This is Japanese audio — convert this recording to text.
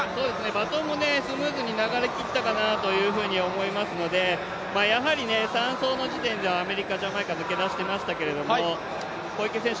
バトンもスムーズに流れきったかなと思いますので３走の時点では、アメリカ、ジャマイカ、抜け出していましたが、小池選手